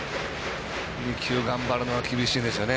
２球頑張るのは厳しいですよね。